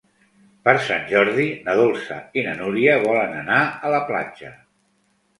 Per Sant Jordi na Dolça i na Núria volen anar a la platja.